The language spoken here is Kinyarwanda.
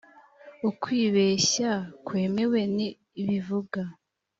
ukwibeshya kwemewe ni bivuga